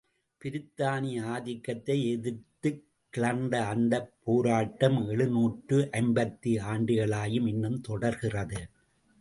பிரித்தானிய ஆதிக்கத்தை எதிர்த்துக் கிளர்ந்த அந்தப் போராட்டம் எழுநூற்று ஐம்பது ஆண்டுகளாகியும் இன்னும் தொடர்கிறது.